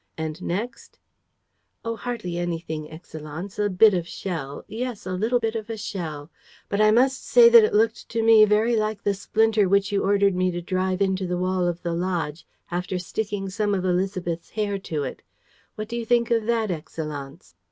... And next?" "Oh, hardly anything, Excellenz! A bit of a shell, yes, a little bit of a shell; but I must say that it looked to me very like the splinter which you ordered me to drive into the wall of the lodge, after sticking some of Élisabeth's hair to it. What do you think of that, Excellenz?"